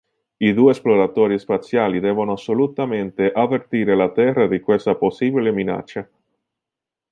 I due esploratori spaziali devono assolutamente avvertire la Terra di questa possibile minaccia.